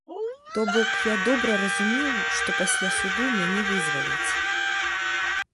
То бок я добра разумеў, што пасля суду мяне вызваляць.